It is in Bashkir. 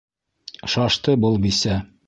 Шашты был бисә!